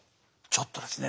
ちょっとですね